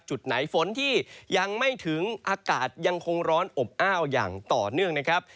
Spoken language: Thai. จุดไหนฝนที่ยังไม่ถึงอากาศยังคงร้อนอบอ้าวอย่างต่อเนื่องนะครับ